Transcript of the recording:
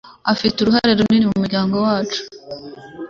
Afite uruhare runini mumuryango wacu.